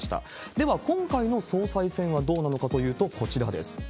では、今回の総裁選はどうなのかというと、こちらです。